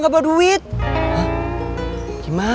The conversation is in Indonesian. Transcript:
tuh lu gini mah